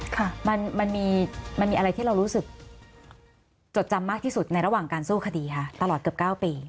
ค่ะมันมันมีมันมีอะไรที่เรารู้สึกจดจำมากที่สุดในระหว่างการสู้คดีค่ะตลอดเกือบเก้าปี